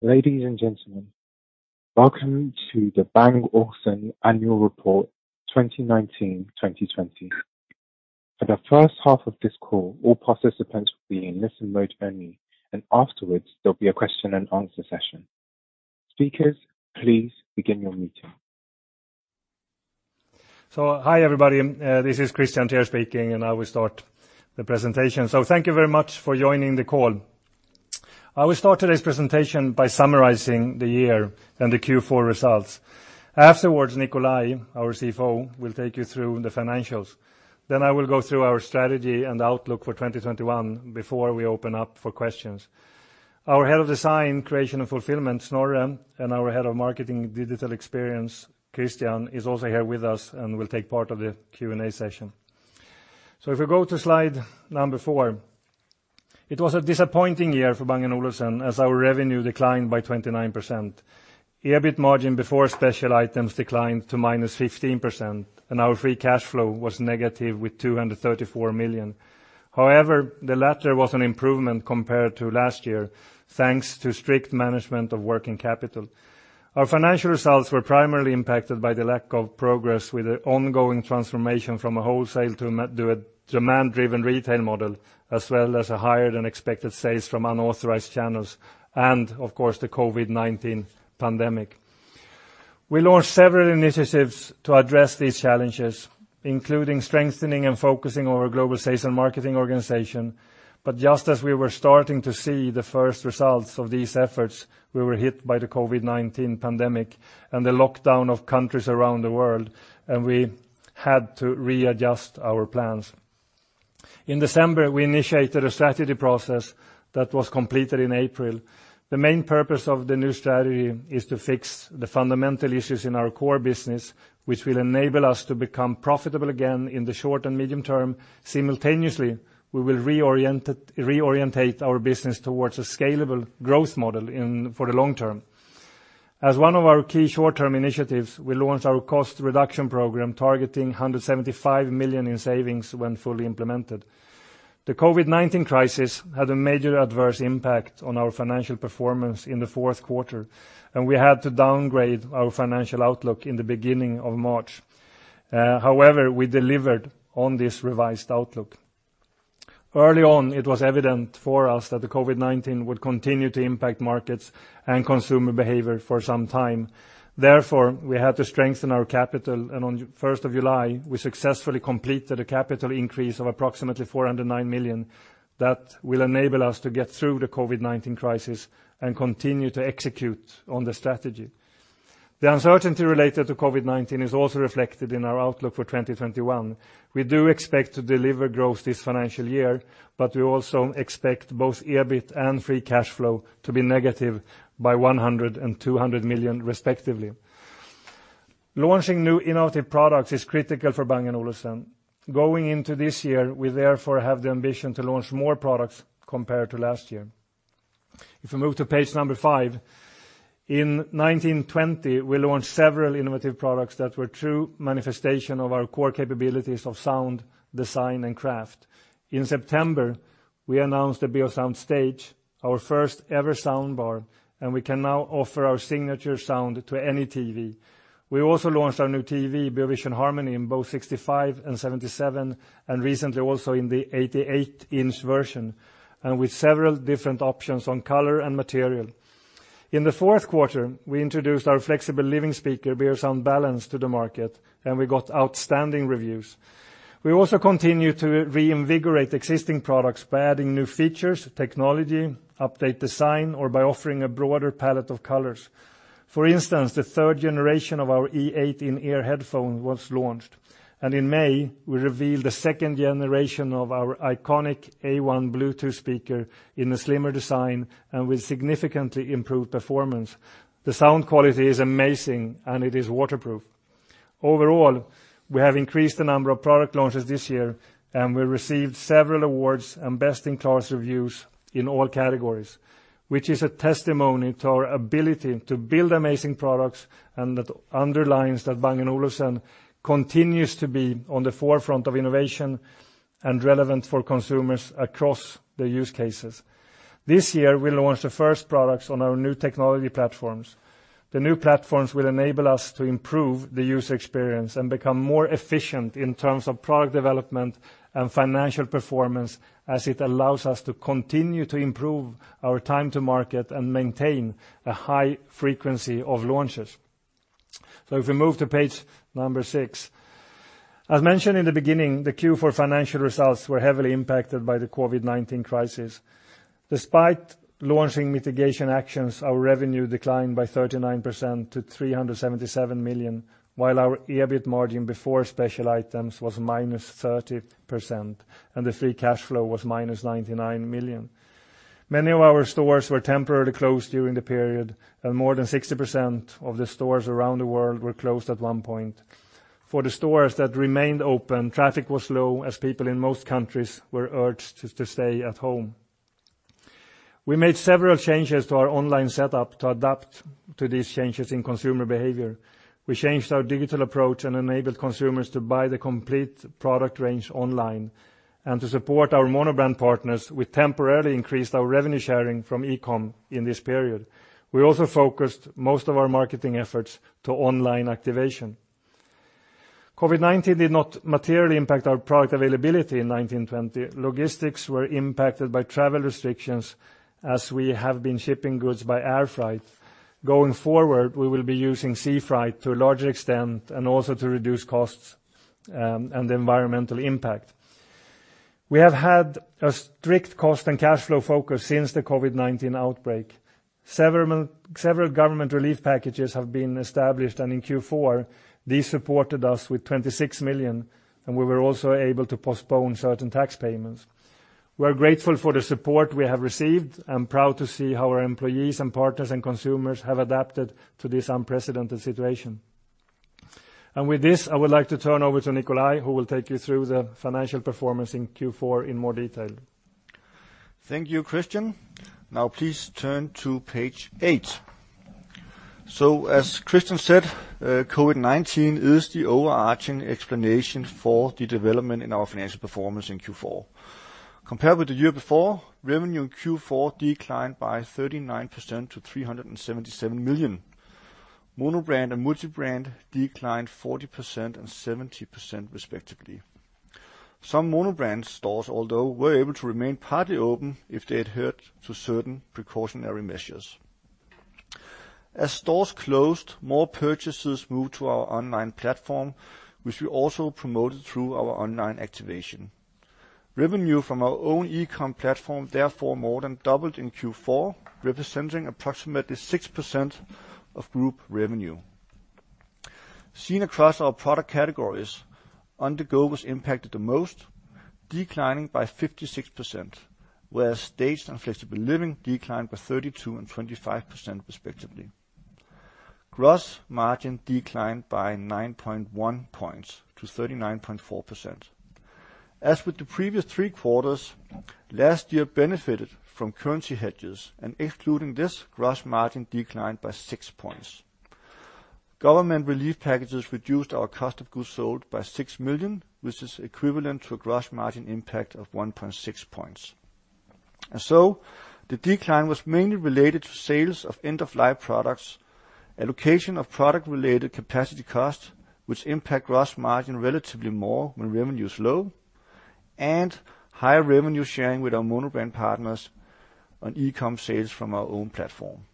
Ladies and gentlemen, welcome to the Bang & Olufsen Annual Report 2019-2020. For the first half of this call, all participants will be in listen mode only, and afterwards there'll be a question-and-answer session. Speakers, please begin your meeting. So hi everybody, this is Kristian Teär speaking, and I will start the presentation. So thank you very much for joining the call. I will start today's presentation by summarizing the year and the Q4 results. Afterwards Nikolaj, our CFO, will take you through the financials. Then I will go through our strategy and outlook for 2021 before we open up for questions. Our head of design, creation and fulfillment, Snorre, and our head of marketing, digital experience, Kristian, is also here with us and will take part of the Q&A session. So if we go to slide number 4, it was a disappointing year for Bang & Olufsen as our revenue declined by 29%. EBIT margin before special items declined to 15%, and our free cash flow was negative 234 million. However, the latter was an improvement compared to last year, thanks to strict management of working capital. Our financial results were primarily impacted by the lack of progress with an ongoing transformation from a wholesale to a demand-driven retail model, as well as a higher-than-expected sales from unauthorized channels, and of course the COVID-19 pandemic. We launched several initiatives to address these challenges, including strengthening and focusing our global sales and marketing organization, but just as we were starting to see the first results of these efforts, we were hit by the COVID-19 pandemic and the lockdown of countries around the world, and we had to readjust our plans. In December we initiated a strategy process that was completed in April. The main purpose of the new strategy is to fix the fundamental issues in our core business, which will enable us to become profitable again in the short and medium term. Simultaneously, we will reorient our business towards a scalable growth model for the long term. As one of our key short-term initiatives, we launched our cost reduction program targeting 175 million in savings when fully implemented. The COVID-19 crisis had a major adverse impact on our financial performance in the fourth quarter, and we had to downgrade our financial outlook in the beginning of March. However, we delivered on this revised outlook. Early on, it was evident for us that the COVID-19 would continue to impact markets and consumer behavior for some time. Therefore, we had to strengthen our capital, and on 1st of July we successfully completed a capital increase of approximately 409 million that will enable us to get through the COVID-19 crisis and continue to execute on the strategy. The uncertainty related to COVID-19 is also reflected in our outlook for 2021. We do expect to deliver growth this financial year, but we also expect both EBIT and free cash flow to be negative by 100 million and 200 million, respectively. Launching new innovative products is critical for Bang & Olufsen. Going into this year, we therefore have the ambition to launch more products compared to last year. If we move to page 5, in 1920 we launched several innovative products that were true manifestations of our core capabilities of sound, design, and craft. In September we announced the Beosound Stage, our first-ever soundbar, and we can now offer our signature sound to any TV. We also launched our new TV, Beovision Harmony, in both 65- and 77-inch versions, and recently also in the 88-inch version, and with several different options on color and material. In the fourth quarter we introduced our flexible living speaker, Beosound Balance, to the market, and we got outstanding reviews. We also continue to reinvigorate existing products by adding new features, technology, update design, or by offering a broader palette of colors. For instance, the third generation of our E8 in-ear headphone was launched, and in May we revealed the second generation of our iconic A1 Bluetooth speaker in a slimmer design and with significantly improved performance. The sound quality is amazing, and it is waterproof. Overall, we have increased the number of product launches this year, and we received several awards and best-in-class reviews in all categories, which is a testimony to our ability to build amazing products and that underlines that Bang & Olufsen continues to be on the forefront of innovation and relevant for consumers across their use cases. This year we launched the first products on our new technology platforms. The new platforms will enable us to improve the user experience and become more efficient in terms of product development and financial performance as it allows us to continue to improve our time to market and maintain a high frequency of launches. So if we move to page 6, as mentioned in the beginning, the Q4 financial results were heavily impacted by the COVID-19 crisis. Despite launching mitigation actions, our revenue declined by 39% to 377 million, while our EBIT margin before special items was -30% and the free cash flow was -99 million. Many of our stores were temporarily closed during the period, and more than 60% of the stores around the world were closed at one point. For the stores that remained open, traffic was low as people in most countries were urged to stay at home. We made several changes to our online setup to adapt to these changes in consumer behavior. We changed our digital approach and enabled consumers to buy the complete product range online, and to support our monobrand partners, we temporarily increased our revenue sharing from e-com in this period. We also focused most of our marketing efforts to online activation. COVID-19 did not materially impact our product availability in 2020. Logistics were impacted by travel restrictions as we have been shipping goods by air flight. Going forward, we will be using sea flight to a larger extent and also to reduce costs and the environmental impact. We have had a strict cost and cash flow focus since the COVID-19 outbreak. Several government relief packages have been established, and in Q4 these supported us with 26 million, and we were also able to postpone certain tax payments. We are grateful for the support we have received and proud to see how our employees and partners and consumers have adapted to this unprecedented situation. And with this, I would like to turn over to Nikolaj, who will take you through the financial performance in Q4 in more detail. Thank you, Kristian. Now please turn to page 8. So as Kristian said, COVID-19 is the overarching explanation for the development in our financial performance in Q4. Compared with the year before, revenue in Q4 declined by 39% to 377 million. Monobrand and Multibrand declined 40% and 70%, respectively. Some Monobrand stores, although, were able to remain partly open if they adhered to certain precautionary measures. As stores closed, more purchases moved to our online platform, which we also promoted through our online activation. Revenue from our own e-com platform therefore more than doubled in Q4, representing approximately 6% of group revenue. Seen across our product categories, on-the-go was impacted the most, declining by 56%, whereas Staged and Flexible Living declined by 32% and 25%, respectively. Gross margin declined by 9.1 points to 39.4%. As with the previous three quarters, last year benefited from currency hedges, and excluding this, gross margin declined by 6 points. Government relief packages reduced our cost of goods sold by 6 million, which is equivalent to a gross margin impact of 1.6 points. The decline was mainly related to sales of end-of-life products, allocation of product-related capacity costs, which impact gross margin relatively more when revenue is low, and higher revenue sharing with our monobrand partners on e-com sales from our own platform.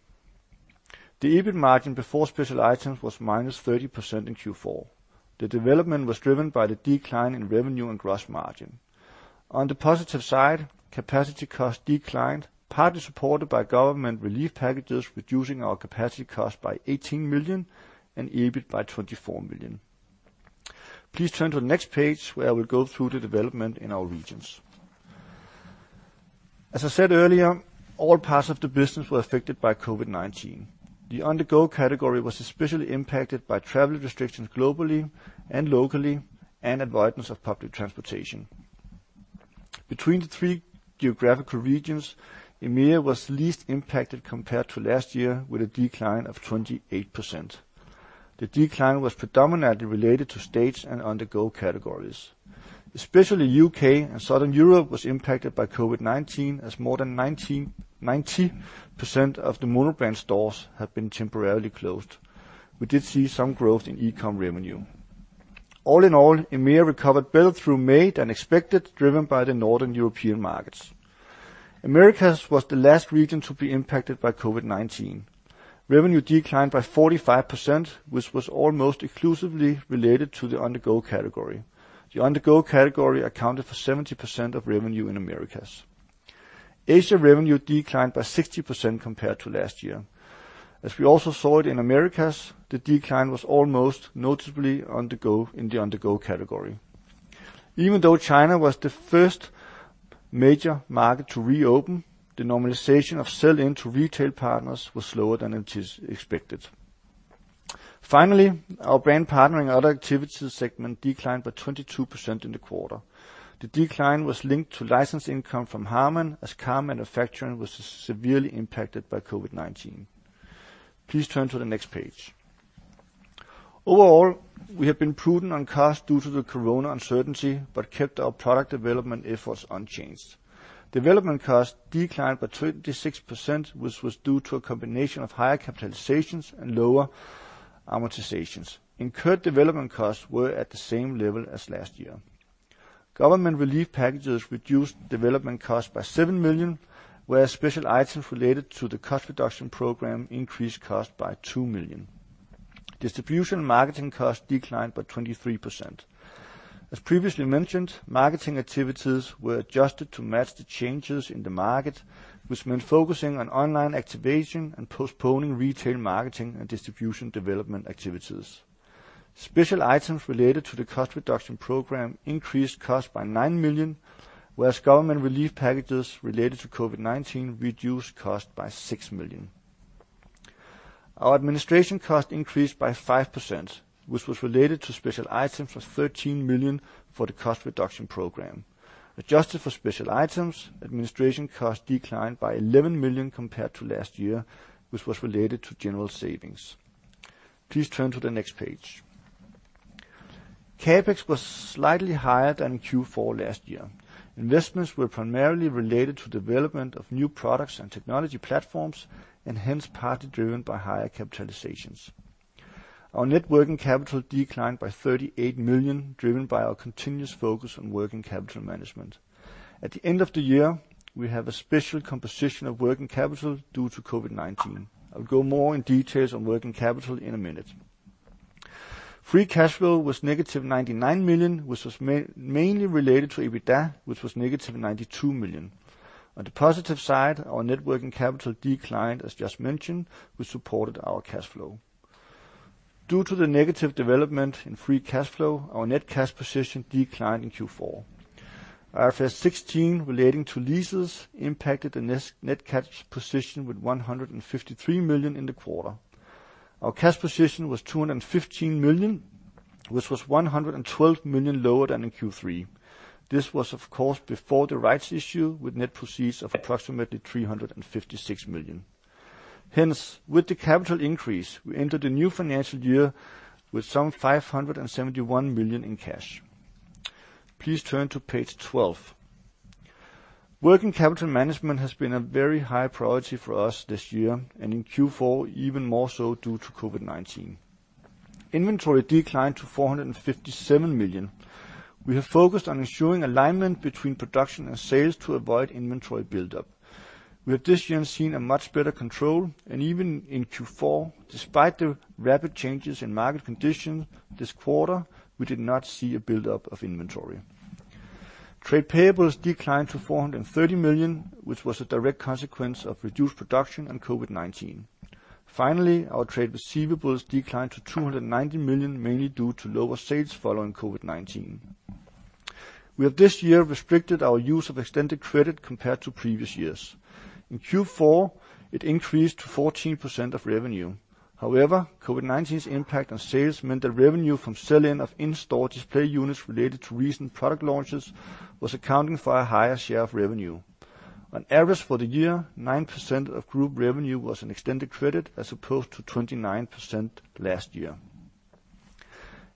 The EBIT margin before special items was -30% in Q4. The development was driven by the decline in revenue and gross margin. On the positive side, capacity costs declined, partly supported by government relief packages reducing our capacity costs by 18 million and EBIT by 24 million. Please turn to the next page where I will go through the development in our regions. As I said earlier, all parts of the business were affected by COVID-19. The on-the-go category was especially impacted by travel restrictions globally and locally and avoidance of public transportation. Between the three geographical regions, EMEA was least impacted compared to last year with a decline of 28%. The decline was predominantly related to Staged and on-the-go categories. Especially the U.K. and Southern Europe was impacted by COVID-19 as more than 90% of the monobrand stores have been temporarily closed. We did see some growth in e-com revenue. All in all, EMEA recovered better through May than expected, driven by the Northern European markets. Americas was the last region to be impacted by COVID-19. Revenue declined by 45%, which was almost exclusively related to the on-the-go category. The on-the-go category accounted for 70% of revenue in Americas. Asia revenue declined by 60% compared to last year. As we also saw it in Americas, the decline was almost noticeably on-the-go in the on-the-go category. Even though China was the first major market to reopen, the normalization of sell-in to retail partners was slower than it is expected. Finally, our brand partnering and other activities segment declined by 22% in the quarter. The decline was linked to license income from Harman as car manufacturing was severely impacted by COVID-19. Please turn to the next page. Overall, we have been prudent on cost due to the corona uncertainty but kept our product development efforts unchanged. Development costs declined by 26%, which was due to a combination of higher capitalizations and lower amortizations. Incurred development costs were at the same level as last year. Government relief packages reduced development costs by 7 million, whereas special items related to the cost reduction program increased costs by 2 million. Distribution and marketing costs declined by 23%. As previously mentioned, marketing activities were adjusted to match the changes in the market, which meant focusing on online activation and postponing retail marketing and distribution development activities. Special items related to the cost reduction program increased costs by 9 million, whereas government relief packages related to COVID-19 reduced costs by 6 million. Our administration costs increased by 5%, which was related to special items of 13 million for the cost reduction program. Adjusted for special items, administration costs declined by 11 million compared to last year, which was related to general savings. Please turn to the next page. CapEx was slightly higher than in Q4 last year. Investments were primarily related to development of new products and technology platforms and hence partly driven by higher capitalizations. Our net working capital declined by 38 million, driven by our continuous focus on working capital management. At the end of the year, we have a special composition of working capital due to COVID-19. I will go more in details on working capital in a minute. Free cash flow was negative 99 million, which was mainly related to EBITDA, which was negative 92 million. On the positive side, our net working capital declined, as just mentioned, which supported our cash flow. Due to the negative development in free cash flow, our net cash position declined in Q4. IFRS 16 relating to leases impacted the net cash position with 153 million in the quarter. Our cash position was 215 million, which was 112 million lower than in Q3. This was, of course, before the rights issue with net proceeds of approximately 356 million. Hence, with the capital increase, we entered a new financial year with some 571 million in cash. Please turn to page 12. Working capital management has been a very high priority for us this year, and in Q4 even more so due to COVID-19. Inventory declined to 457 million. We have focused on ensuring alignment between production and sales to avoid inventory buildup. We have this year seen a much better control, and even in Q4, despite the rapid changes in market conditions, this quarter we did not see a buildup of inventory. Trade payables declined to 430 million, which was a direct consequence of reduced production and COVID-19. Finally, our trade receivables declined to 290 million, mainly due to lower sales following COVID-19. We have this year restricted our use of extended credit compared to previous years. In Q4, it increased to 14% of revenue. However, COVID-19's impact on sales meant that revenue from sell-in of in-store display units related to recent product launches was accounting for a higher share of revenue. On average for the year, 9% of group revenue was in extended credit as opposed to 29% last year.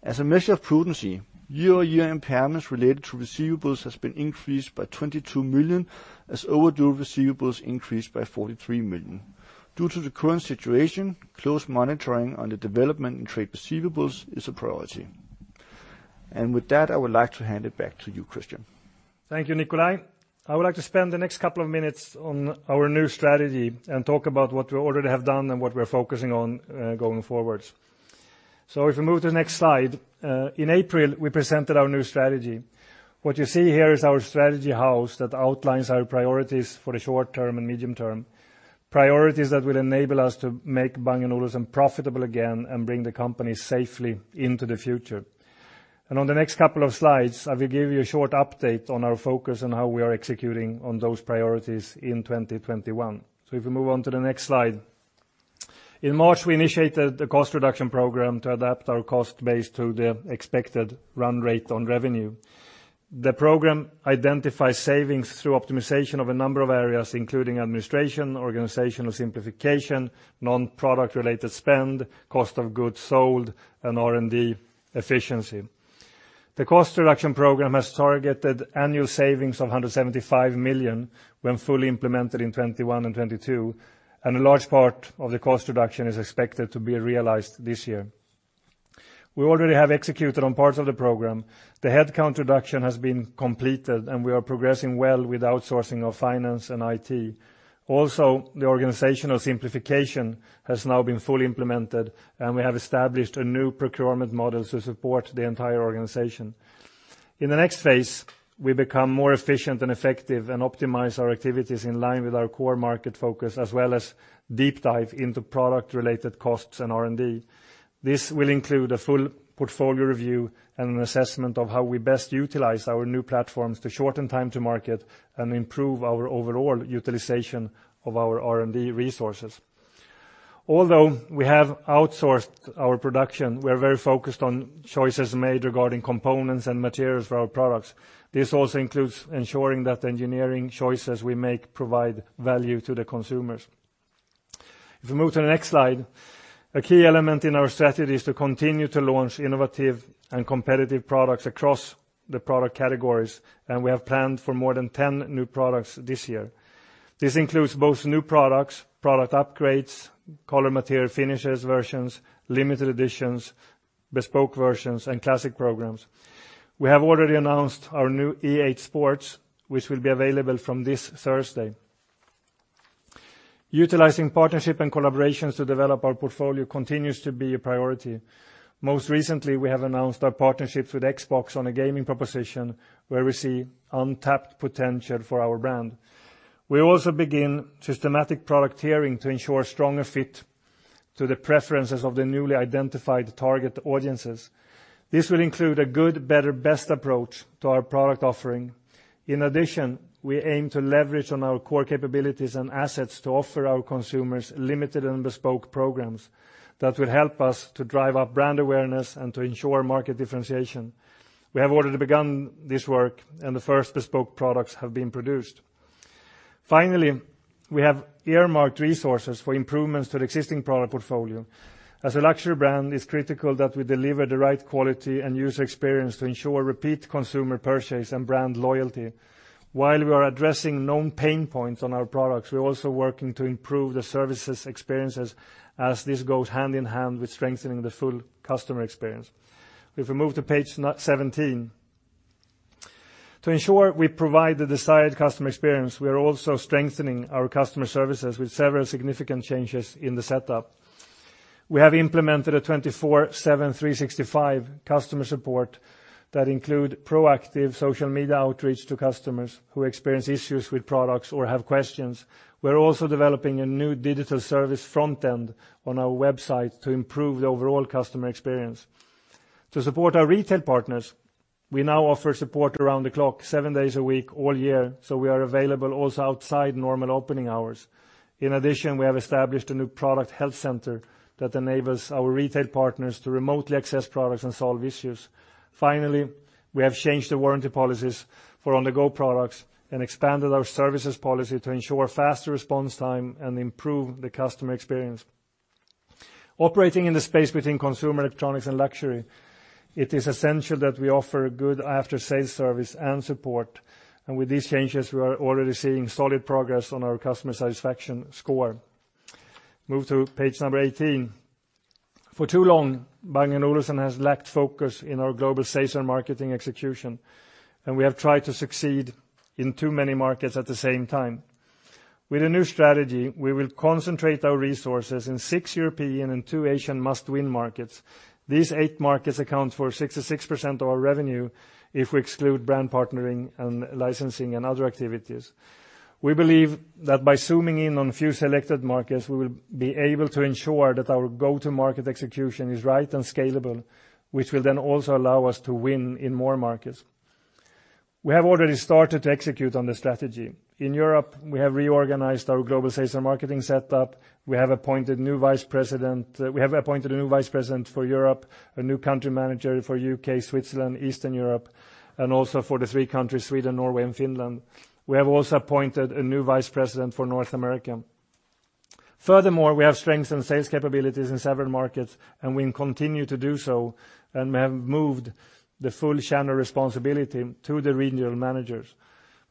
As a measure of prudency, year-over-year impairments related to receivables have been increased by 22 million as overdue receivables increased by 43 million. Due to the current situation, close monitoring on the development in trade receivables is a priority. And with that, I would like to hand it back to you, Kristian. Thank you, Nikolaj. I would like to spend the next couple of minutes on our new strategy and talk about what we already have done and what we are focusing on going forwards. So if we move to the next slide, in April we presented our new strategy. What you see here is our strategy house that outlines our priorities for the short term and medium term. Priorities that will enable us to make Bang & Olufsen profitable again and bring the company safely into the future. On the next couple of slides, I will give you a short update on our focus and how we are executing on those priorities in 2021. So if we move on to the next slide. In March, we initiated the cost reduction program to adapt our cost base to the expected run rate on revenue. The program identifies savings through optimization of a number of areas, including administration, organizational simplification, non-product-related spend, cost of goods sold, and R&D efficiency. The cost reduction program has targeted annual savings of 175 million when fully implemented in 2021 and 2022, and a large part of the cost reduction is expected to be realized this year. We already have executed on parts of the program. The headcount reduction has been completed, and we are progressing well with outsourcing of finance and IT. Also, the organizational simplification has now been fully implemented, and we have established a new procurement model to support the entire organization. In the next phase, we become more efficient and effective and optimize our activities in line with our core market focus, as well as deep dive into product-related costs and R&D. This will include a full portfolio review and an assessment of how we best utilize our new platforms to shorten time to market and improve our overall utilization of our R&D resources. Although we have outsourced our production, we are very focused on choices made regarding components and materials for our products. This also includes ensuring that the engineering choices we make provide value to the consumers. If we move to the next slide, a key element in our strategy is to continue to launch innovative and competitive products across the product categories, and we have planned for more than 10 new products this year. This includes both new products, product upgrades, color material finishes versions, limited editions, bespoke versions, and classic programs. We have already announced our new E8 Sport, which will be available from this Thursday. Utilizing partnership and collaborations to develop our portfolio continues to be a priority. Most recently, we have announced our partnerships with Xbox on a gaming proposition where we see untapped potential for our brand. We also begin systematic product tiering to ensure a stronger fit to the preferences of the newly identified target audiences. This will include a good, better, best approach to our product offering. In addition, we aim to leverage on our core capabilities and assets to offer our consumers limited and bespoke programs that will help us to drive up brand awareness and to ensure market differentiation. We have already begun this work, and the first bespoke products have been produced. Finally, we have earmarked resources for improvements to the existing product portfolio. As a luxury brand, it's critical that we deliver the right quality and user experience to ensure repeat consumer purchase and brand loyalty. While we are addressing known pain points on our products, we are also working to improve the services experiences as this goes hand in hand with strengthening the full customer experience. If we move to page 17. To ensure we provide the desired customer experience, we are also strengthening our customer services with several significant changes in the setup. We have implemented a 24/7 365 customer support that includes proactive social media outreach to customers who experience issues with products or have questions. We are also developing a new digital service front end on our website to improve the overall customer experience. To support our retail partners, we now offer support around the clock, seven days a week, all year, so we are available also outside normal opening hours. In addition, we have established a new product health center that enables our retail partners to remotely access products and solve issues. Finally, we have changed the warranty policies for on-the-go products and expanded our services policy to ensure faster response time and improve the customer experience. Operating in the space between consumer electronics and luxury, it is essential that we offer good after-sales service and support, and with these changes, we are already seeing solid progress on our customer satisfaction score. Move to page 18. For too long, Bang & Olufsen has lacked focus in our global sales and marketing execution, and we have tried to succeed in too many markets at the same time. With a new strategy, we will concentrate our resources in six European and two Asian must-win markets. These eight markets account for 66% of our revenue if we exclude brand partnering and licensing and other activities. We believe that by zooming in on a few selected markets, we will be able to ensure that our go-to-market execution is right and scalable, which will then also allow us to win in more markets. We have already started to execute on the strategy. In Europe, we have reorganized our global sales and marketing setup. We have appointed a new vice president for Europe, a new country manager for the U.K., Switzerland, Eastern Europe, and also for the three countries, Sweden, Norway, and Finland. We have also appointed a new vice president for North America. Furthermore, we have strengthened sales capabilities in several markets, and we continue to do so, and we have moved the full channel responsibility to the regional managers.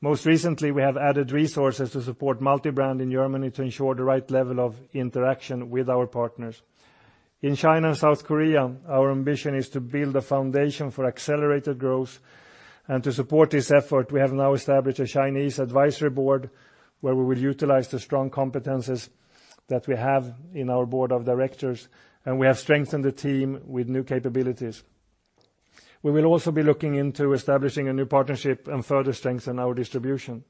Most recently, we have added resources to support multibrand in Germany to ensure the right level of interaction with our partners. In China and South Korea, our ambition is to build a foundation for accelerated growth, and to support this effort, we have now established a Chinese advisory board where we will utilize the strong competencies that we have in our board of directors, and we have strengthened the team with new capabilities. We will also be looking into establishing a new partnership and further strengthen our distribution.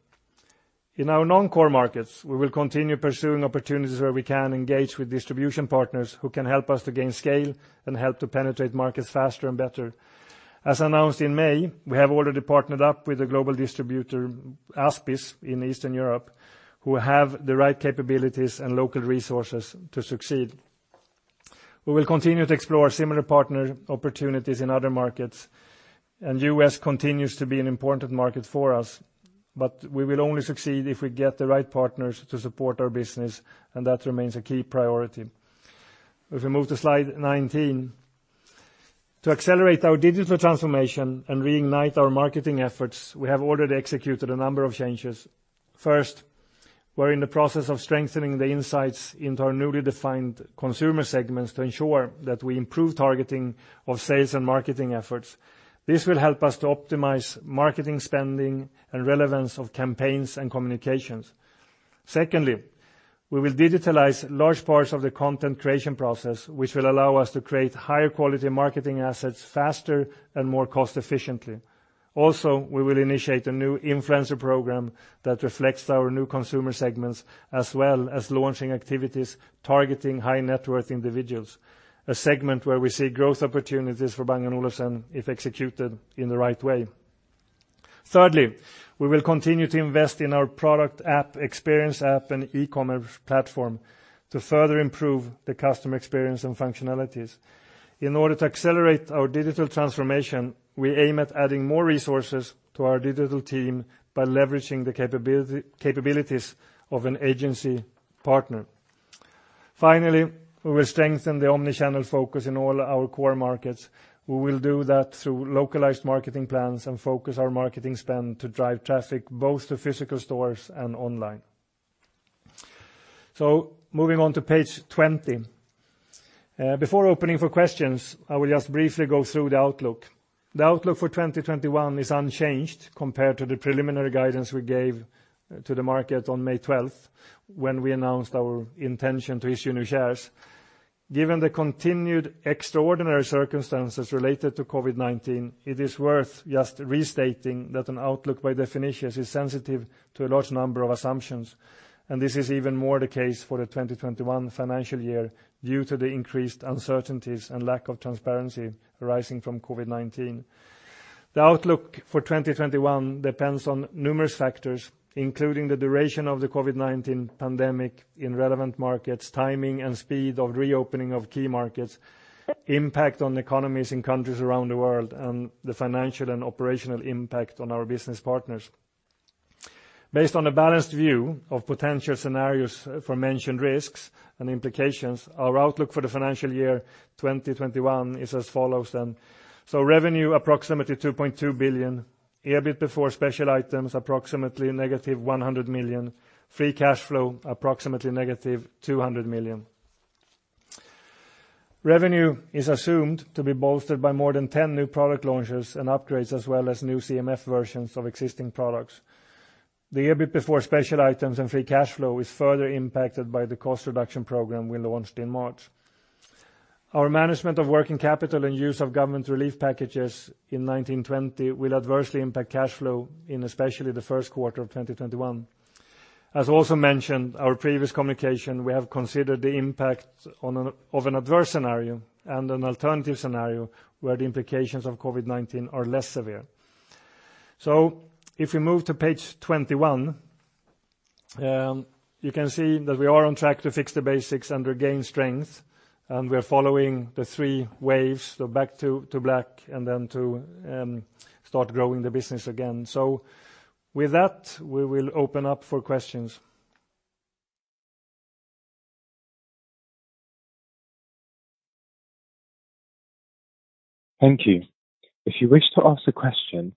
In our non-core markets, we will continue pursuing opportunities where we can engage with distribution partners who can help us to gain scale and help to penetrate markets faster and better. As announced in May, we have already partnered up with the global distributor ASBIS in Eastern Europe, who have the right capabilities and local resources to succeed. We will continue to explore similar partner opportunities in other markets, and the U.S. continues to be an important market for us, but we will only succeed if we get the right partners to support our business, and that remains a key priority. If we move to slide 19. To accelerate our digital transformation and reignite our marketing efforts, we have already executed a number of changes. First, we are in the process of strengthening the insights into our newly defined consumer segments to ensure that we improve targeting of sales and marketing efforts. This will help us to optimize marketing spending and relevance of campaigns and communications. Secondly, we will digitalize large parts of the content creation process, which will allow us to create higher quality marketing assets faster and more cost-efficiently. Also, we will initiate a new influencer program that reflects our new consumer segments, as well as launching activities targeting high-net-worth individuals. A segment where we see growth opportunities for Bang & Olufsen if executed in the right way. Thirdly, we will continue to invest in our product app, experience app, and e-commerce platform to further improve the customer experience and functionalities. In order to accelerate our digital transformation, we aim at adding more resources to our digital team by leveraging the capabilities of an agency partner. Finally, we will strengthen the omnichannel focus in all our core markets. We will do that through localized marketing plans and focus our marketing spend to drive traffic both to physical stores and online. Moving on to page 20. Before opening for questions, I will just briefly go through the outlook. The outlook for 2021 is unchanged compared to the preliminary guidance we gave to the market on May 12th when we announced our intention to issue new shares. Given the continued extraordinary circumstances related to COVID-19, it is worth just restating that an outlook by definition is sensitive to a large number of assumptions, and this is even more the case for the 2021 financial year due to the increased uncertainties and lack of transparency arising from COVID-19. The outlook for 2021 depends on numerous factors, including the duration of the COVID-19 pandemic in relevant markets, timing and speed of reopening of key markets, impact on economies in countries around the world, and the financial and operational impact on our business partners. Based on a balanced view of potential scenarios for mentioned risks and implications, our outlook for the financial year 2021 is as follows. Revenue approximately 2.2 billion, EBIT before special items approximately negative 100 million, free cash flow approximately negative 200 million. Revenue is assumed to be bolstered by more than 10 new product launches and upgrades, as well as new CMF versions of existing products. The EBIT before special items and free cash flow is further impacted by the cost reduction program we launched in March. Our management of working capital and use of government relief packages in 2020 will adversely impact cash flow in especially the first quarter of 2021. As also mentioned in our previous communication, we have considered the impact of an adverse scenario and an alternative scenario where the implications of COVID-19 are less severe. If we move to page 21, you can see that we are on track to fix the basics and regain strength, and we are following the three waves, so back to black and then to start growing the business again. With that, we will open up for questions. Thank you. If you wish to ask a question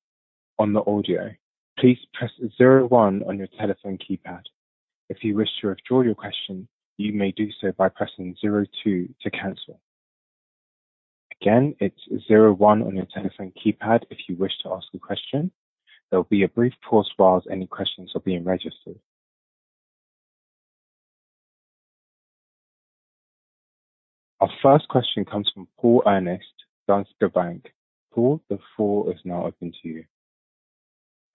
on the audio, please press 01 on your telephone keypad. If you wish to withdraw your question, you may do so by pressing 02 to cancel. Again, it's 01 on your telephone keypad if you wish to ask a question. There'll be a brief pause whilst any questions are being registered. Our first question comes from Poul Ernst Jessen, Danske Bank. Paul, the floor is now open to you.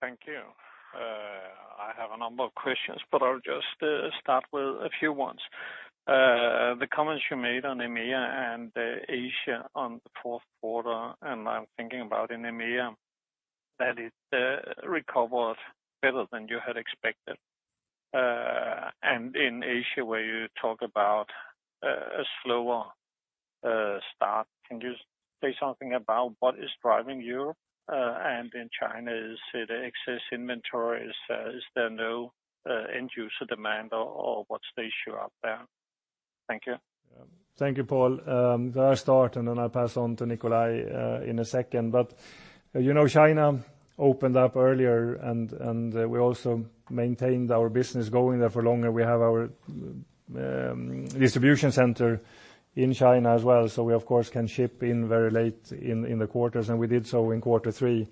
Thank you. I have a number of questions, but I'll just start with a few ones. The comments you made on EMEA and Asia on the fourth quarter, and I'm thinking about EMEA, that it recovered better than you had expected. And in Asia, where you talk about a slower start, can you say something about what is driving Europe? And in China, is it excess inventory? Is there no end-user demand, or what's the issue up there? Thank you. Thank you, Poul. I'll start, and then I'll pass on to Nikolaj in a second. But China opened up earlier, and we also maintained our business going there for longer. We have our distribution center in China as well, so we, of course, can ship in very late in the quarters, and we did so in quarter three.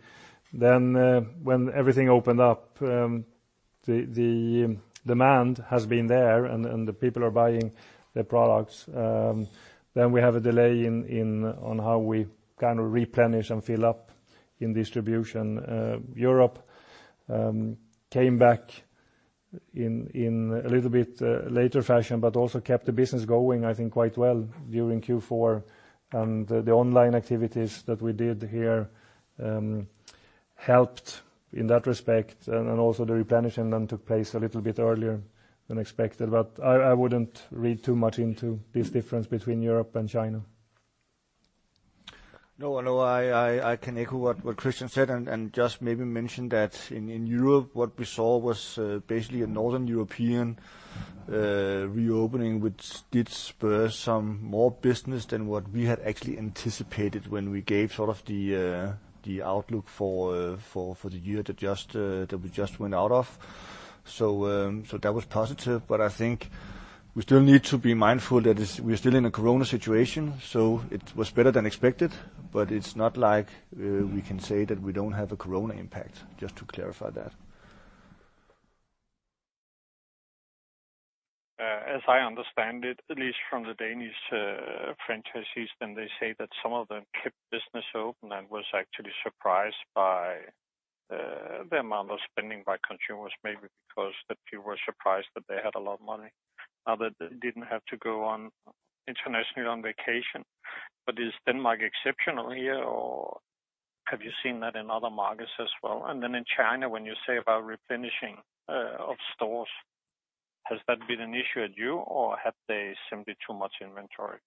Then when everything opened up, the demand has been there, and the people are buying the products. Then we have a delay on how we kind of replenish and fill up in distribution. Europe came back in a little bit later fashion, but also kept the business going, I think, quite well during Q4. And the online activities that we did here helped in that respect, and also the replenishment then took place a little bit earlier than expected. But I wouldn't read too much into this difference between Europe and China. No, I can echo what Kristian said and just maybe mention that in Europe, what we saw was basically a Northern European reopening which did spur some more business than what we had actually anticipated when we gave sort of the outlook for the year that we just went out of. So that was positive, but I think we still need to be mindful that we're still in a corona situation, so it was better than expected, but it's not like we can say that we don't have a corona impact, just to clarify that. As I understand it, at least from the Danish franchisees, then they say that some of them kept business open and were actually surprised by the amount of spending by consumers, maybe because that people were surprised that they had a lot of money, now that they didn't have to go internationally on vacation. But is Denmark exceptional here, or have you seen that in other markets as well? And then in China, when you say about replenishing of stores, has that been an issue at you, or had they simply too much inventory?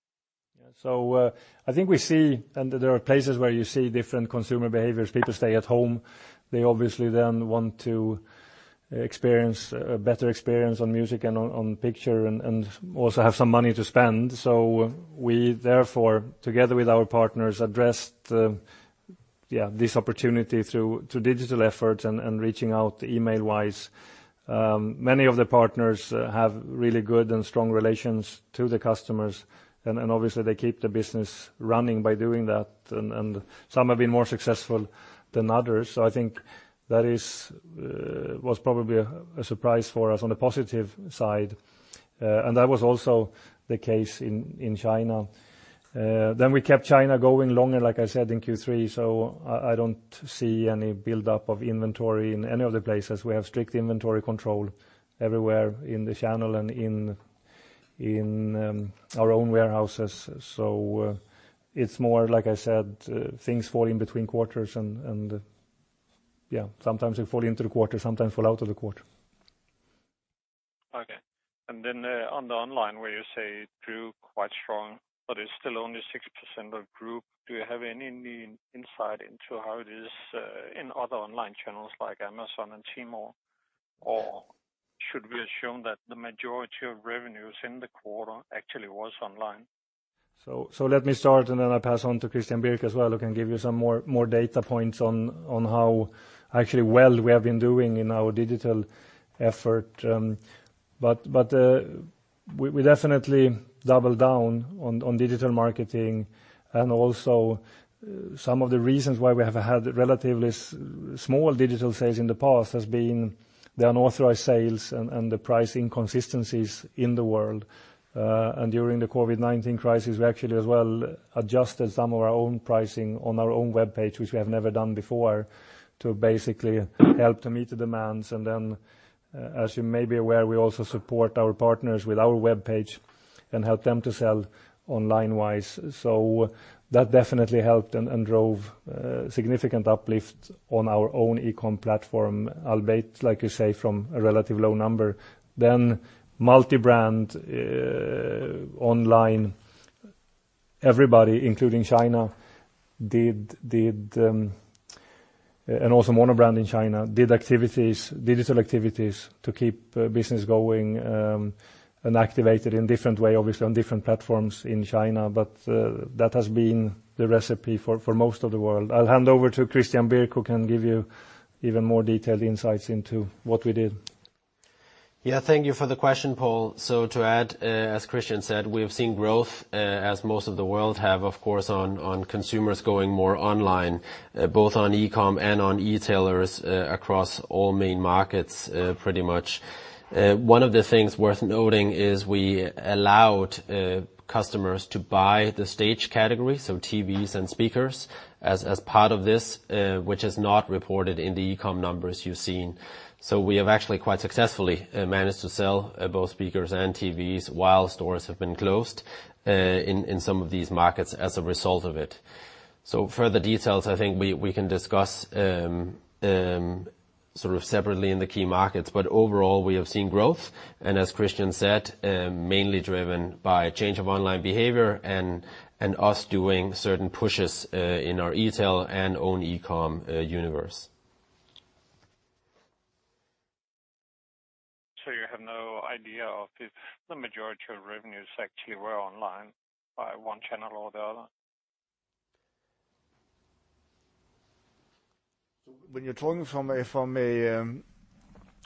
Yeah, so I think we see, and there are places where you see different consumer behaviors. People stay at home. They obviously then want to experience a better experience on music and on picture and also have some money to spend. So we, therefore, together with our partners, addressed this opportunity through digital efforts and reaching out email-wise. Many of the partners have really good and strong relations to the customers, and obviously, they keep the business running by doing that, and some have been more successful than others. So I think that was probably a surprise for us on the positive side, and that was also the case in China. Then we kept China going longer, like I said, in Q3, so I don't see any buildup of inventory in any of the places. We have strict inventory control everywhere in the channel and in our own warehouses. It's more, like I said, things fall in between quarters, and sometimes they fall into the quarter, sometimes fall out of the quarter. Okay. And then on the online, where you say it grew quite strong, but it's still only 6% of the group, do you have any insight into how it is in other online channels like Amazon and Tmall, or should we assume that the majority of revenues in the quarter actually was online? So let me start, and then I'll pass on to Christian Birk as well who can give you some more data points on how actually well we have been doing in our digital effort. But we definitely doubled down on digital marketing, and also some of the reasons why we have had relatively small digital sales in the past has been the unauthorized sales and the price inconsistencies in the world. And during the COVID-19 crisis, we actually as well adjusted some of our own pricing on our own web page, which we have never done before, to basically help to meet the demands. And then, as you may be aware, we also support our partners with our web page and help them to sell online-wise. So that definitely helped and drove significant uplift on our own e-commerce platform, albeit, like you say, from a relatively low number. Then multi-brand online, everybody, including China, and also monobrand in China, did digital activities to keep business going and activated in a different way, obviously, on different platforms in China. But that has been the recipe for most of the world. I'll hand over to Christian Birk who can give you even more detailed insights into what we did. Yeah, thank you for the question, Poul. So to add, as Kristian said, we have seen growth, as most of the world have, of course, on consumers going more online, both on e-commerce and on retailers across all main markets, pretty much. One of the things worth noting is we allowed customers to buy the Staged category, so TVs and speakers, as part of this, which is not reported in the e-commerce numbers you've seen. So we have actually quite successfully managed to sell both speakers and TVs while stores have been closed in some of these markets as a result of it. So further details, I think we can discuss sort of separately in the key markets. But overall, we have seen growth, and as Kristian said, mainly driven by change of online behavior and us doing certain pushes in our retail and own e-commerce universe. You have no idea of if the majority of revenues actually were online by one channel or the other? So when you're talking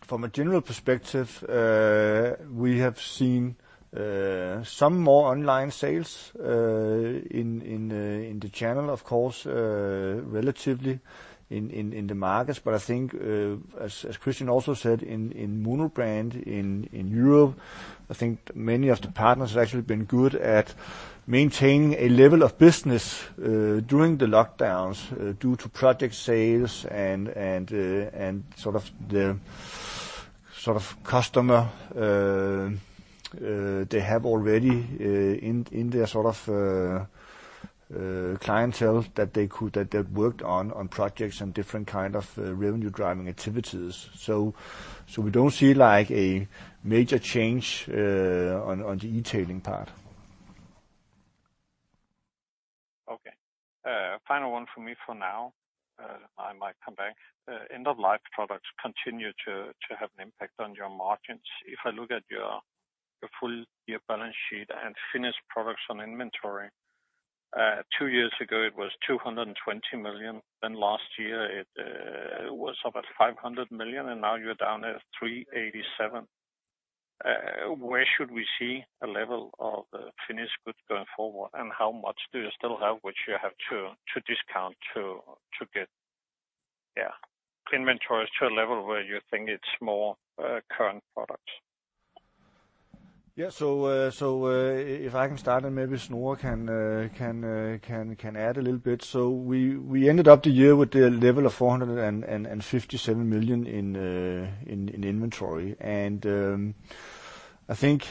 from a general perspective, we have seen some more online sales in the channel, of course, relatively in the markets. But I think, as Christian also said, in monobrand in Europe, I think many of the partners have actually been good at maintaining a level of business during the lockdowns due to project sales and sort of the customer they have already in their sort of clientele that they worked on projects and different kinds of revenue-driving activities. So we don't see a major change on the retailing part. Okay. Final one from me for now. I might come back. End-of-life products continue to have an impact on your margins. If I look at your full year balance sheet and finished products on inventory, two years ago, it was 220 million. Then last year, it was up at 500 million, and now you're down at 387 million. Where should we see a level of finished goods going forward, and how much do you still have, which you have to discount to get inventories to a level where you think it's more current products? Yeah, so if I can start, maybe Snorre can add a little bit. We ended up the year with the level of 457 million in inventory. I think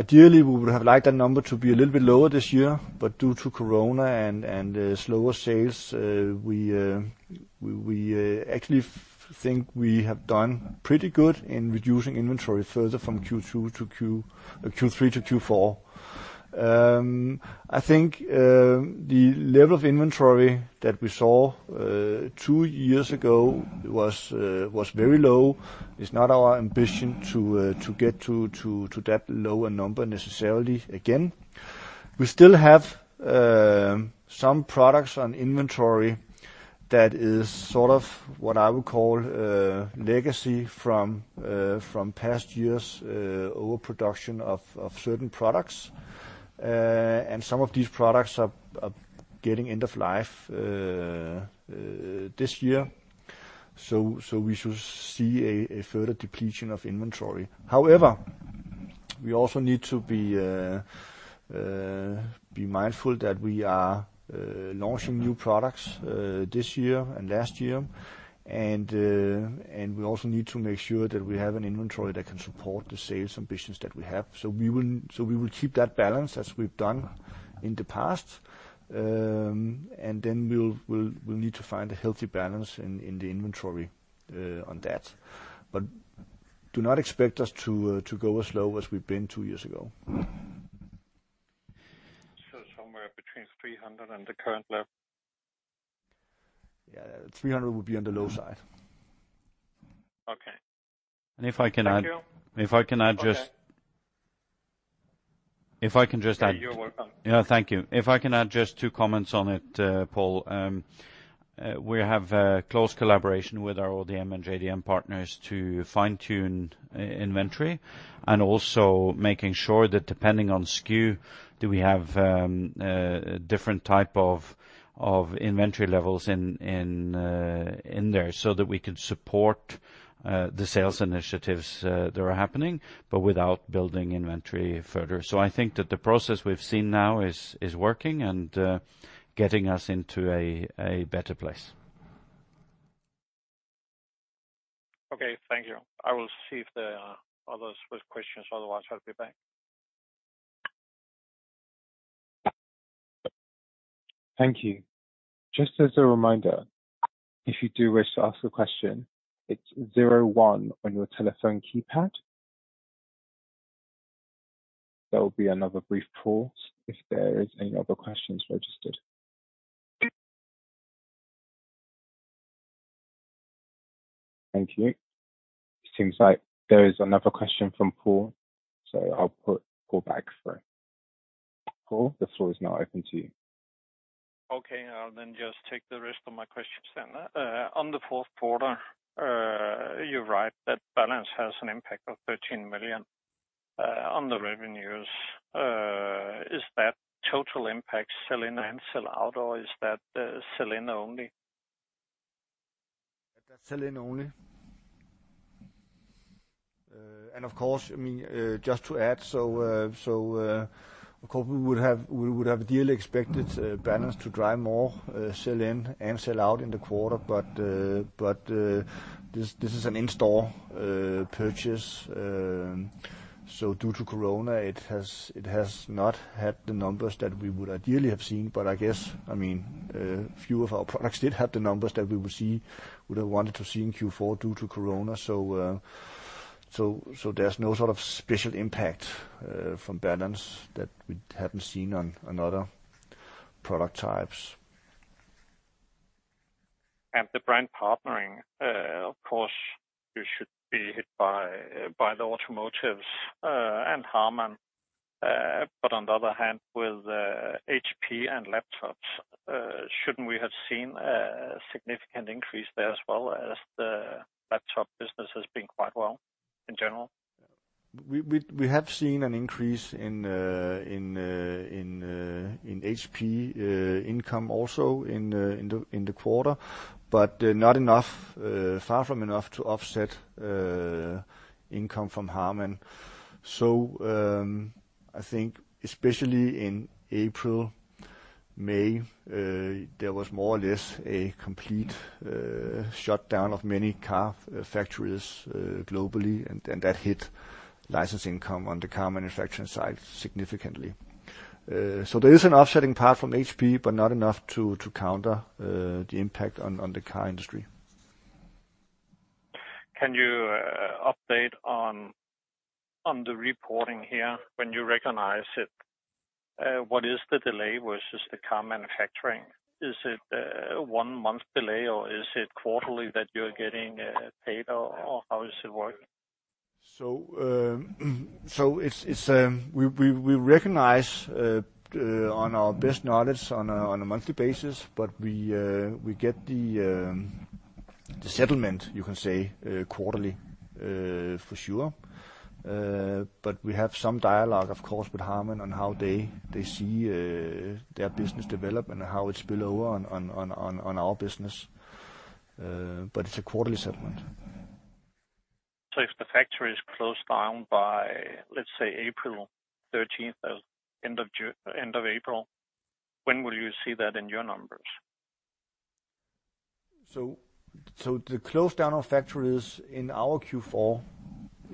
ideally, we would have liked that number to be a little bit lower this year, but due to corona and slower sales, we actually think we have done pretty good in reducing inventory further from Q3 to Q4. I think the level of inventory that we saw two years ago was very low. It's not our ambition to get to that lower number necessarily again. We still have some products on inventory that is sort of what I would call legacy from past years' overproduction of certain products. Some of these products are getting end-of-life this year, so we should see a further depletion of inventory. However, we also need to be mindful that we are launching new products this year and last year, and we also need to make sure that we have an inventory that can support the sales ambitions that we have. So we will keep that balance as we've done in the past, and then we'll need to find a healthy balance in the inventory on that. But do not expect us to go as low as we've been two years ago. Somewhere between 300 and the current level? Yeah, 300 would be on the low side. Okay. And if I can add. Thank you. If I can add just. Okay. If I can just add. You're welcome. Yeah, thank you. If I can add just two comments on it, Poul. We have close collaboration with our ODM and JDM partners to fine-tune inventory and also making sure that, depending on SKU, do we have different types of inventory levels in there so that we could support the sales initiatives that are happening but without building inventory further. So I think that the process we've seen now is working and getting us into a better place. Okay, thank you. I will see if there are others with questions. Otherwise, I'll be back. Thank you. Just as a reminder, if you do wish to ask a question, it's zero one on your telephone keypad. That will be another brief pause if there are any other questions registered. Thank you. Seems like there is another question from Poul, so I'll put Poul back for Poul, the floor is now open to you. Okay, I'll then just take the rest of my questions. On the fourth quarter, you're right that Balance has an impact of 13 million on the revenues. Is that total impact sell-in and sell-out, or is that sell-in only? That's sell-in only. And of course, I mean, just to add, so of course, we would have ideally expected Balance to drive more sell-in and sell-out in the quarter, but this is an in-store purchase. So due to corona, it has not had the numbers that we would ideally have seen, but I guess, I mean, few of our products did have the numbers that we would have wanted to see in Q4 due to corona. So there's no sort of special impact from Balance that we hadn't seen on other product types. The brand partnering, of course, you should be hit by the automotives and Harman. But on the other hand, with HP and laptops, shouldn't we have seen a significant increase there as well as the laptop business has been quite well in general? We have seen an increase in HP income also in the quarter, but not enough, far from enough, to offset income from Harman. So I think especially in April, May, there was more or less a complete shutdown of many car factories globally, and that hit license income on the car manufacturing side significantly. So there is an offsetting part from HP, but not enough to counter the impact on the car industry. Can you update on the reporting here? When you recognize it, what is the delay versus the car manufacturing? Is it 1-month delay, or is it quarterly that you're getting paid, or how does it work? We recognize on our best knowledge on a monthly basis, but we get the settlement, you can say, quarterly for sure. We have some dialogue, of course, with Harman on how they see their business develop and how it spills over on our business. It's a quarterly settlement. So if the factory is closed down by, let's say, April 13th, end of April, when will you see that in your numbers? So the closedown of factories in our Q4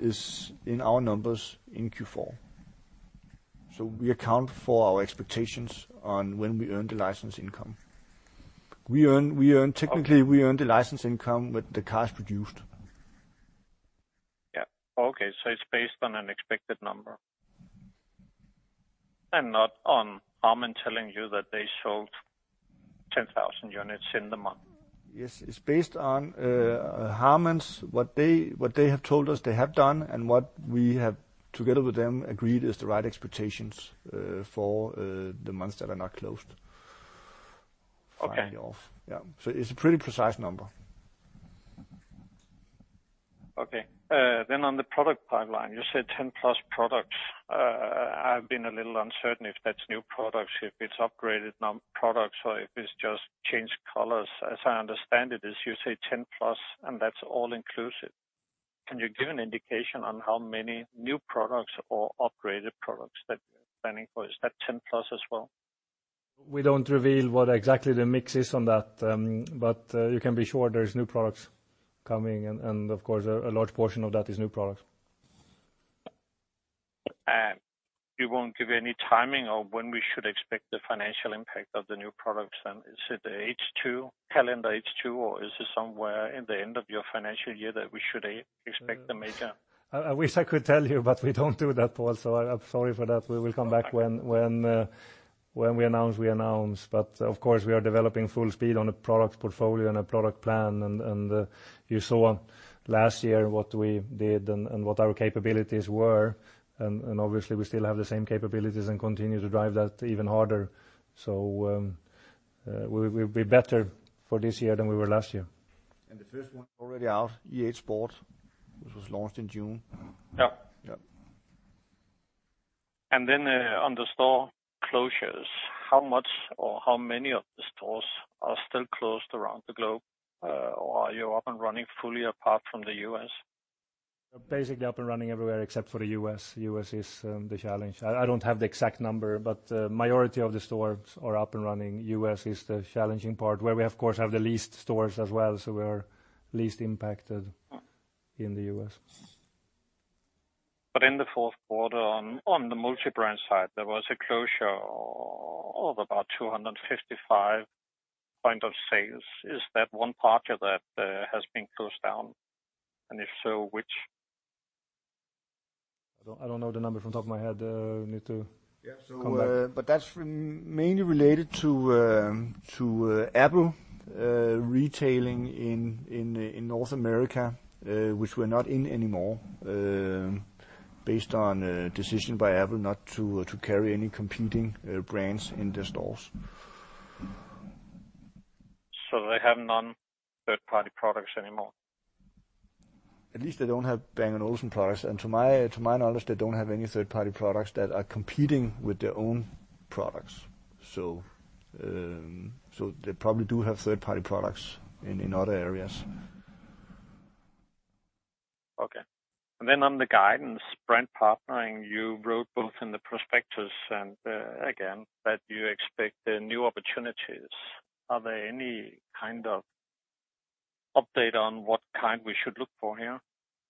is in our numbers in Q4. So we account for our expectations on when we earn the license income. Technically, we earn the license income with the cars produced. Yeah. Okay. So it's based on an expected number and not on Harman telling you that they sold 10,000 units in the month? Yes. It's based on Harman's, what they have told us they have done, and what we have, together with them, agreed is the right expectations for the months that are not closed finally off. Yeah. So it's a pretty precise number. Okay. Then on the product pipeline, you said 10-plus products. I've been a little uncertain if that's new products, if it's upgraded products, or if it's just changed colors. As I understand it, you say 10-plus, and that's all-inclusive. Can you give an indication on how many new products or upgraded products that you're planning for? Is that 10-plus as well? We don't reveal what exactly the mix is on that, but you can be sure there's new products coming, and of course, a large portion of that is new products. You won't give any timing on when we should expect the financial impact of the new products. Is it the H2 calendar, H2, or is it somewhere in the end of your financial year that we should expect the major? I wish I could tell you, but we don't do that, Poul. So I'm sorry for that. We will come back when we announce, we announce. But of course, we are developing full speed on a product portfolio and a product plan, and you saw last year what we did and what our capabilities were. And obviously, we still have the same capabilities and continue to drive that even harder. So we'll be better for this year than we were last year. The first one already out, E8 Sport, which was launched in June. Yeah. On the store closures, how much or how many of the stores are still closed around the globe, or are you up and running fully apart from the U.S.? Basically, up and running everywhere except for the U.S. U.S. is the challenge. I don't have the exact number, but the majority of the stores are up and running. U.S. is the challenging part where we, of course, have the least stores as well, so we are least impacted in the U.S. But in the fourth quarter, on the multi-brand side, there was a closure of about 255 points of sale. Is that one part of that has been closed down? And if so, which? I don't know the number off the top of my head. I need to come back. Yeah. But that's mainly related to Apple retailing in North America, which we're not in anymore based on a decision by Apple not to carry any competing brands in their stores. So they have non-third-party products anymore? At least they don't have Bang & Olufsen products. And to my knowledge, they don't have any third-party products that are competing with their own products. So they probably do have third-party products in other areas. Okay. And then on the guidance, brand partnering, you wrote both in the prospectus and again that you expect new opportunities. Are there any kind of update on what kind we should look for here?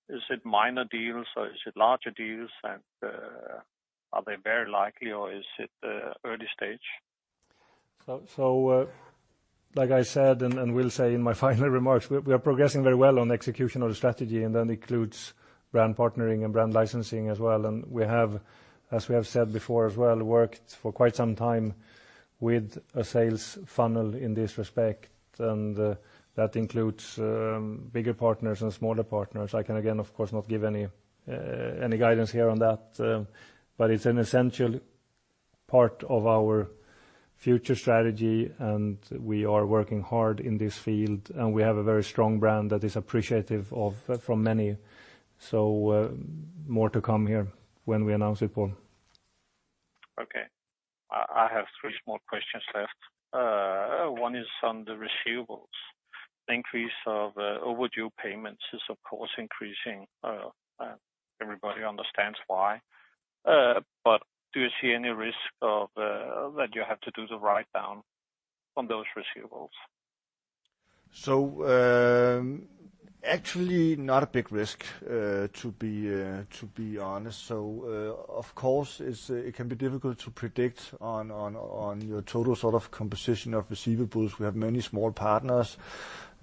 Is it minor deals, or is it larger deals, and are they very likely, or is it early stage? So like I said and will say in my final remarks, we are progressing very well on the execution of the strategy, and that includes brand partnering and brand licensing as well. And we have, as we have said before as well, worked for quite some time with a sales funnel in this respect, and that includes bigger partners and smaller partners. I can again, of course, not give any guidance here on that, but it's an essential part of our future strategy, and we are working hard in this field, and we have a very strong brand that is appreciative from many. So more to come here when we announce it, Poul. Okay. I have three small questions left. One is on the receivables. The increase of overdue payments is, of course, increasing. Everybody understands why. But do you see any risk that you have to do the write-down on those receivables? So actually, not a big risk, to be honest. So of course, it can be difficult to predict on your total sort of composition of receivables. We have many small partners,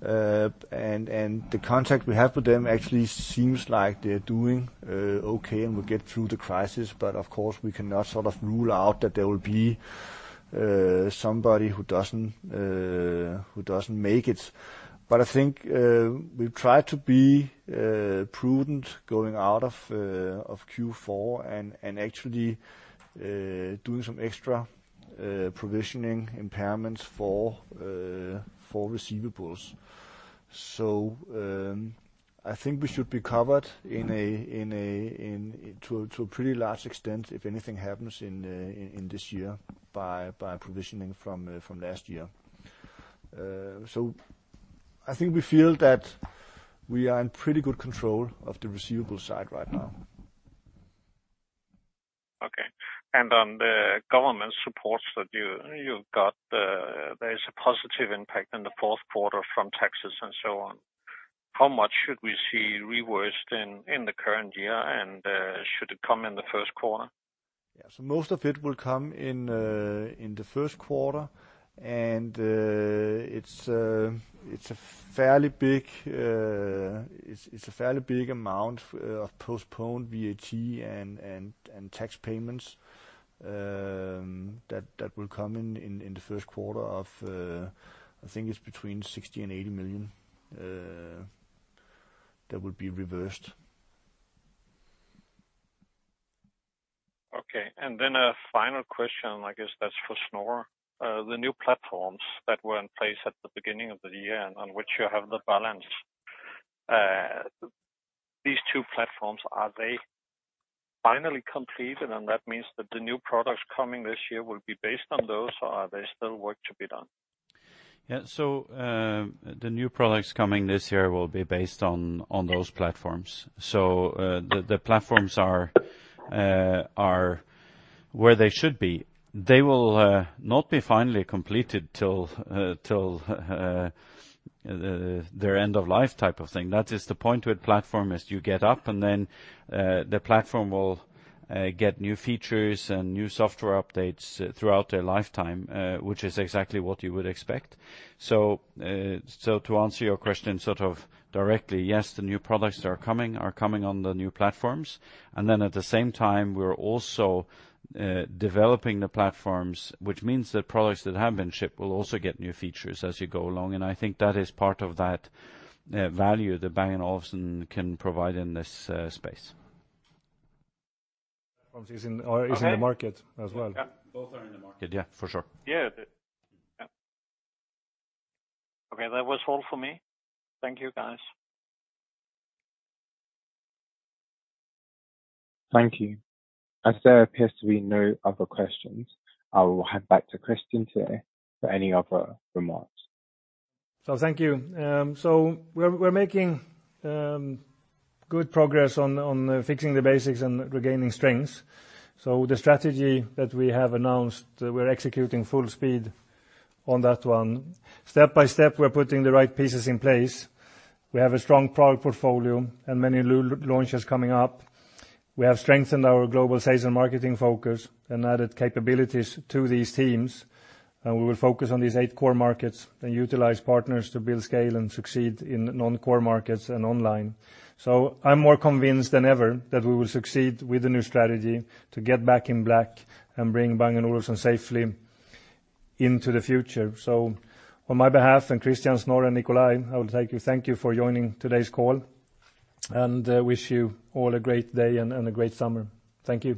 and the contact we have with them actually seems like they're doing okay, and we'll get through the crisis. But of course, we cannot sort of rule out that there will be somebody who doesn't make it. But I think we'll try to be prudent going out of Q4 and actually doing some extra provisioning impairments for receivables. So I think we should be covered to a pretty large extent if anything happens in this year by provisioning from last year. So I think we feel that we are in pretty good control of the receivable side right now. Okay. On the government supports that you've got, there is a positive impact in the fourth quarter from taxes and so on. How much should we see reversed in the current year, and should it come in the first quarter? Yeah. So most of it will come in the first quarter, and it's a fairly big amount of postponed VAT and tax payments that will come in the first quarter of, I think it's between 60 million and 80 million that will be reversed. Okay. And then a final question, I guess that's for Snorre. The new platforms that were in place at the beginning of the year and on which you have the Beosound Balance, these two platforms, are they finally completed? And that means that the new products coming this year will be based on those, or are there still work to be done? Yeah. So the new products coming this year will be based on those platforms. So the platforms are where they should be. They will not be finally completed till their end-of-life type of thing. That is the point with platform is you get up, and then the platform will get new features and new software updates throughout their lifetime, which is exactly what you would expect. So to answer your question sort of directly, yes, the new products are coming on the new platforms. And then at the same time, we're also developing the platforms, which means that products that have been shipped will also get new features as you go along. And I think that is part of that value that Bang & Olufsen can provide in this space. Platforms is in the market as well? Yeah. Both are in the market. Yeah, for sure. Yeah. Okay. That was all for me. Thank you, guys. Thank you. As there appears to be no other questions, I will hand back to Kristian Teär for any other remarks. So thank you. So we're making good progress on fixing the basics and regaining strengths. So the strategy that we have announced, we're executing full speed on that one. Step by step, we're putting the right pieces in place. We have a strong product portfolio and many new launches coming up. We have strengthened our global sales and marketing focus and added capabilities to these teams. And we will focus on these eight core markets and utilize partners to build scale and succeed in non-core markets and online. So I'm more convinced than ever that we will succeed with the new strategy to get back in black and bring Bang & Olufsen safely into the future. So on my behalf and Christian, Snorre, and Nikolaj, I will thank you. Thank you for joining today's call, and wish you all a great day and a great summer. Thank you.